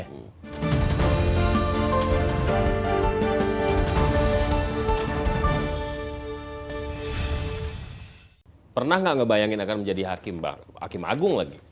hmm pernah nggak ngebayangin akan menjadi hakim agung lagi